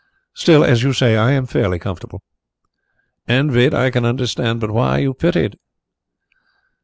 "Still, as you say, I am fairly comfortable." "Envied, I can understand. But why are you pitied?"